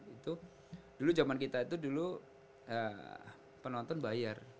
itu dulu zaman kita itu dulu penonton bayar